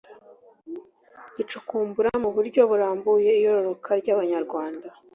gicukumbura mu buryo burambuye iyororoka ry’Abanyarwanda